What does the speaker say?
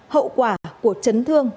hậu quả của chấn thương